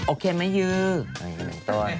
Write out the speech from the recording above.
โอเคมะยู